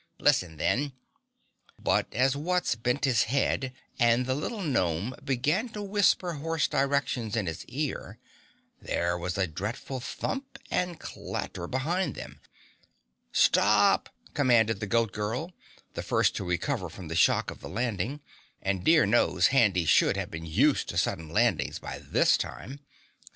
"Listen, then " But as Wutz bent his head and the little gnome began to whisper hoarse directions in his ear, there was a dreadful thump and clatter behind them. "STOP!" commanded the Goat Girl, the first to recover from the shock of the landing, and dear knows Handy should have been used to sudden landings by this time.